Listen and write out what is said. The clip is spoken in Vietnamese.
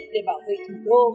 để bảo vệ thủ đô